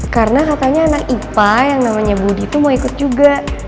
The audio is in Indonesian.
karena katanya anak ipa yang namanya budi tuh mau ikut juga